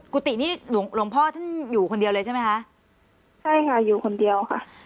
กุฏินี่หลวงหลวงพ่อท่านอยู่คนเดียวเลยใช่ไหมคะใช่ค่ะอยู่คนเดียวค่ะ